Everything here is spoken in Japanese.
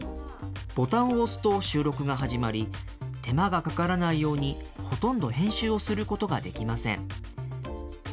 ボタンを押すと収録が始まり、手間がかからないように、ほとんど編集をすることができません。